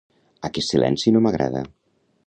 Aquest silenci no m'agrada.